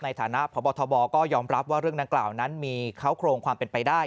ในฐานะพบทบก็ยอมรับว่าเรื่องดังกล่าวนั้นมีเขาโครงความเป็นไปได้